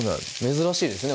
珍しいですね